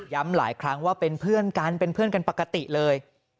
หลายครั้งว่าเป็นเพื่อนกันเป็นเพื่อนกันปกติเลย